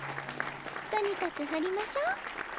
とにかく掘りましょ。